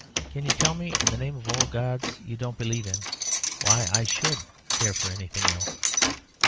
Can you tell me, in the name of all the gods you don't believe in, why I should care for anything else?"